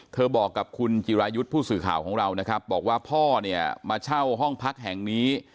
บอกกับคุณจิรายุทธ์ผู้สื่อข่าวของเรานะครับบอกว่าพ่อเนี่ยมาเช่าห้องพักแห่งนี้